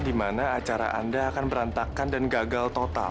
di mana acara anda akan berantakan dan gagal total